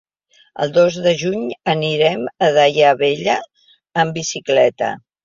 El dos de juny anirem a Daia Vella amb bicicleta.